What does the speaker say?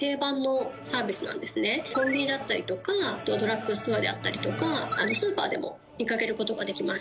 コンビニだったりとかドラッグストアであったりとかスーパーでも見かけることができます